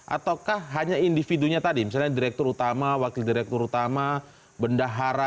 ataukah hanya individunya tadi misalnya direktur utama wakil direktur utama bendahara